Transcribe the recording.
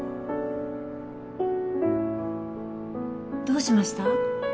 どうしました？